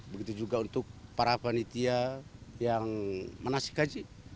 begitu juga untuk para panitia yang menasih haji